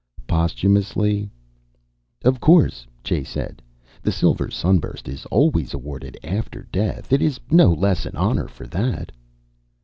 "Posthumously?" "Of course," Jay said. "The silver sunburst is always awarded after death. It is no less an honor for that."